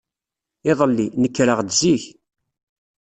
Iḍelli, nekreɣ-d zik.